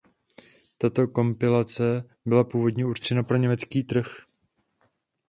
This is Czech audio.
Tato kompilace byla původně určena pro německý trh.